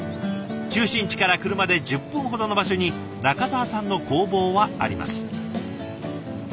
中心地から車で１０分ほどの場所に仲澤さんの工房はあります。